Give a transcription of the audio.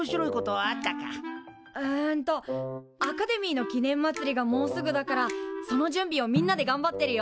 うんとアカデミーの記念まつりがもうすぐだからその準備をみんなでがんばってるよ。